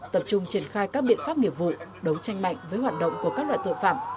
tập trung triển khai các biện pháp nghiệp vụ đấu tranh mạnh với hoạt động của các loại tội phạm